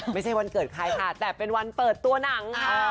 ไม่ใช่วันเกิดใครค่ะแต่เป็นวันเปิดตัวหนังค่ะ